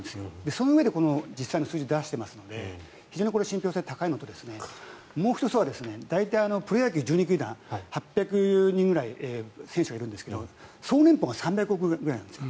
そのうえで実際の数字を出していますので非常に信ぴょう性が高いのともう１つは大体、プロ野球１２球団８００人くらい選手がいるんですが総年俸が３００億くらいなんです。